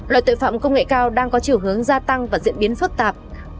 loại tội phạm công nghệ cao đang có chiều hướng gia tăng và diễn biến phức tạp